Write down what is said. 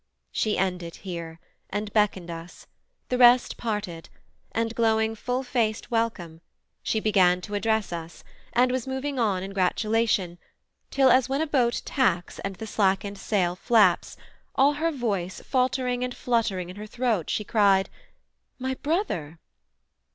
She ended here, and beckoned us: the rest Parted; and, glowing full faced welcome, she Began to address us, and was moving on In gratulation, till as when a boat Tacks, and the slackened sail flaps, all her voice Faltering and fluttering in her throat, she cried 'My brother!'